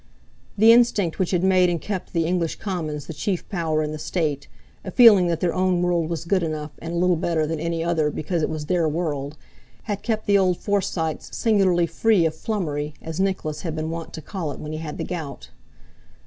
The instinct which had made and kept the English Commons the chief power in the State, a feeling that their own world was good enough and a little better than any other because it was their world, had kept the old Forsytes singularly free of "flummery," as Nicholas had been wont to call it when he had the gout.